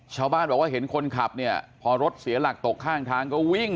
ชาวบ้านบอกว่าเห็นคนขับเนี่ยพอรถเสียหลักตกข้างทางก็วิ่ง